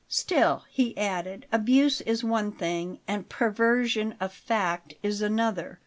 "Still," he added, "abuse is one thing and perversion of fact is another.